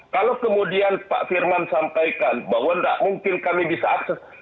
kalau kemudian pak firman sampaikan bahwa tidak mungkin kami bisa akses